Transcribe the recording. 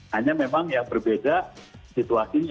hanya memang yang berbeda situasinya